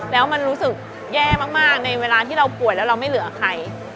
แล้วมันรู้สึกแย่มากในเวลาที่เราป่วยแล้วเราไม่เหลือใคร